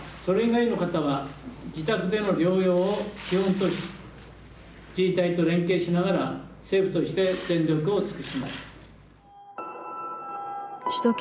それ以外の方は自宅での療養を基本とし自治体と連携しながら政府として全力を尽くします。